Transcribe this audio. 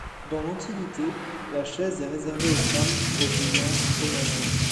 Dans l'antiquité, la chaise est réservée aux femmes, aux vieillards, aux malades.